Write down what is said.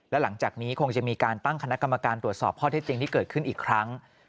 และหลังจากนี้คงจะมีการตั้งคณะกรรมการตรวจสอบข้อเท็จจริงที่เกิดขึ้นอีกครั้ง